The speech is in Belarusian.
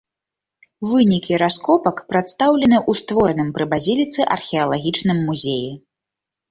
Вынікі раскопак прадстаўлены ў створаным пры базіліцы археалагічным музеі.